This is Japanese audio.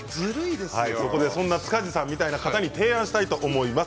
そこでそんな塚地さんみたいな方に提案したいと思います。